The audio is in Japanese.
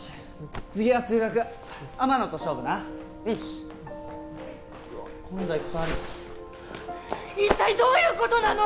次は数学天野と勝負なうんうわっ今度はいっぱいあるぞ一体どういうことなの？